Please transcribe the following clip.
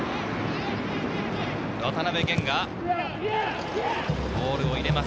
渡辺弦がボールを入れます。